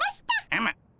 うむ。